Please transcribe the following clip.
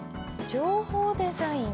「情報デザイン」？